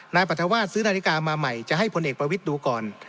นายปรัฐวาสซื้อนาฬิกามาใหม่จะให้พลเอกประวิทย์ดูก่อน